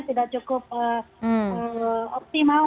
tidak cukup optimal